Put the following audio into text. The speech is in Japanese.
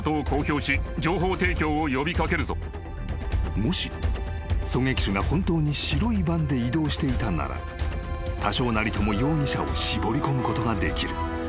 ［もし狙撃手が本当に白いバンで移動していたなら多少なりとも容疑者を絞りこむことができる］